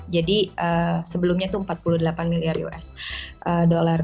jadi sebelumnya itu empat puluh delapan miliar us dolar